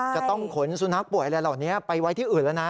จะต้องขนสุนัขป่วยอะไรเหล่านี้ไปไว้ที่อื่นแล้วนะ